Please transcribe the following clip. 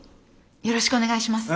よろしくお願いします。